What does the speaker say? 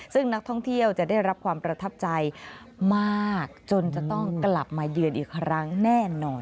ซึ่งนักท่องเที่ยวจะได้รับความประทับใจมากจนจะต้องกลับมาเยือนอีกครั้งแน่นอน